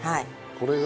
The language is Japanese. これが。